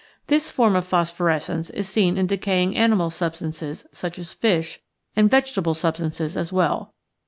This form of phosphorescence is seen in decaying animal substances, such as fish, and vegetable substances as well.